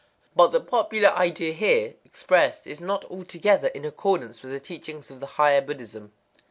But the popular idea here expressed is not altogether in accord with the teachings of the higher Buddhism.